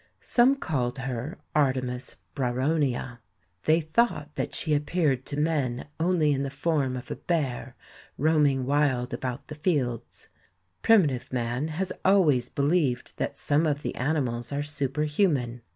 Some called her Artemis Brauronia. They thought that she appeared to men only in the form of a bear roaming wild about the fields. Primitive man has always believed that some of the animals are superhuman.